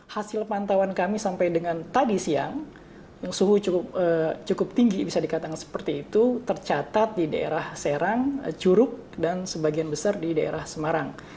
hasil pantauan kami sampai dengan tadi siang yang suhu cukup tinggi bisa dikatakan seperti itu tercatat di daerah serang curug dan sebagian besar di daerah semarang